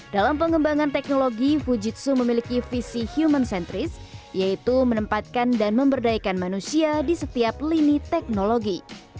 dalam pengembangan teknologi fujitsu memiliki visi human centris yaitu menempatkan dan memberdayakan manusia di setiap lini teknologi